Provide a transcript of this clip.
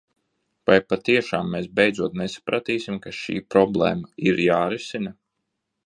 Vai patiešām mēs beidzot nesapratīsim, ka šī problēma ir jārisina?